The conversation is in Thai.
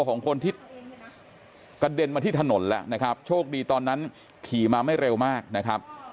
ของคนที่กระเด็นมาที่ถนนแล้วนะครับโชคดีตอนนั้นขี่มาไม่เร็วมากนะครับ